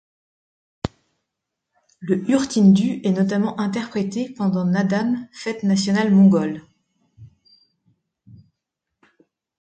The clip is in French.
Le urtyn duu est notamment interprété pendant naadam, fête nationale mongole.